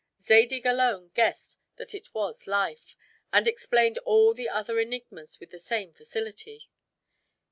Zadig alone guessed that it was Life, and explained all the other enigmas with the same facility.